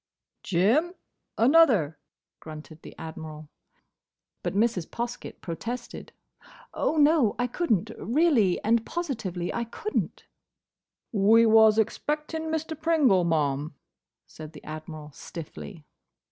"Jim, another," grunted the Admiral. But Mrs. Poskett protested. "Oh, no, I could n't! Reely and posivitely I could n't!" "We was expecting Mr. Pringle, ma'am," said the Admiral, stiffly.